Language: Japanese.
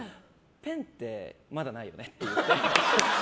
ペンってまだないよね？って言って。